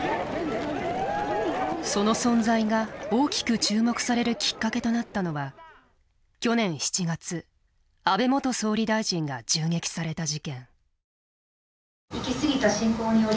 その存在が大きく注目されるきっかけとなったのは去年７月安倍元総理大臣が銃撃された事件。